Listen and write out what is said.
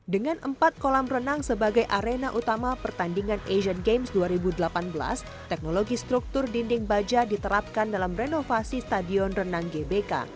dengan empat kolam renang sebagai arena utama pertandingan asian games dua ribu delapan belas teknologi struktur dinding baja diterapkan dalam renovasi stadion renang gbk